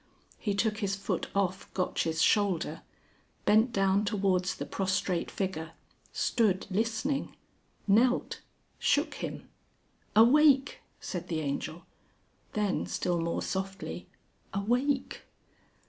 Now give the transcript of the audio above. He took his foot off Gotch's shoulder, bent down towards the prostrate figure, stood listening, knelt shook him. "Awake!" said the Angel. Then still more softly, "_Awake!